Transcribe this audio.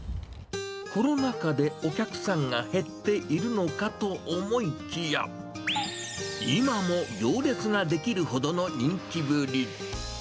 コロナ禍でお客さんが減っているのかと思いきや、今も行列が出来るほどの人気ぶり。